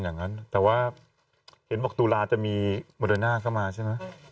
อย่างนั้นแต่ว่าเห็นบอกตุลาจะมีโมเดอร์น่าเข้ามาใช่ไหม